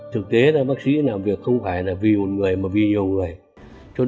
thực tế bác sĩ làm việc không phải vì một người mà vì nhiều người